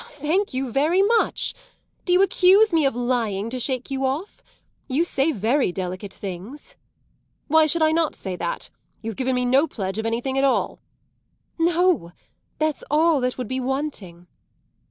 "Thank you very much. Do you accuse me of lying to shake you off? You say very delicate things." "Why should I not say that? You've given me no pledge of anything at all." "No, that's all that would be wanting!"